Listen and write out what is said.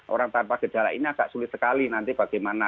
orang tanpa gejala ini agak sulit sekali nanti bagaimana